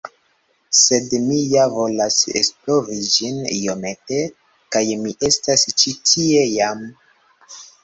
sed mi ja volas esplori ĝin iomete, kaj mi estas ĉi tie jam.